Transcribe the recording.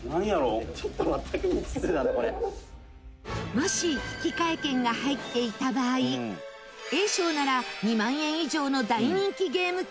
もし引換券が入っていた場合Ａ賞なら２万円以上の大人気ゲーム機。